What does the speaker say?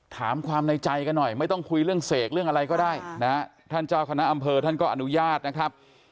ถามความในใจกันหน่อยไม่ต้องคุยเรื่องเสกเรื่องอะไรก็ได้นะฮะท่านเจ้าคณะอำเภอท่านก็อนุญาตนะครับ